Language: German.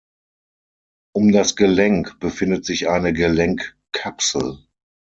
Um das Gelenk befindet sich eine Gelenkkapsel.